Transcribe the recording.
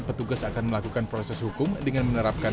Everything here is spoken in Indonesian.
petugas akan melakukan proses hukum dengan menerapkan